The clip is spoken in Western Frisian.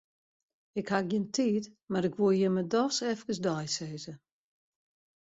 Ik haw gjin tiid, mar 'k woe jimme doch efkes deisizze.